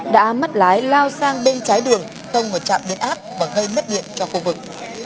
đã mất lái lao sang bên trái đường không mà chạm đến áp và gây mất điện cho khu vực